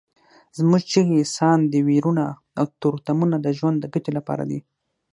زموږ چیغې، ساندې، ویرونه او تورتمونه د ژوند د ګټې لپاره دي.